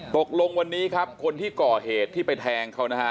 ตกลงวันนี้ครับคนที่ก่อเหตุที่ไปแทงเขานะฮะ